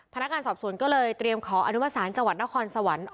พนักงานสอบสวนก็เลยเตรียมขออนุมสารจังหวัดนครสวรรค์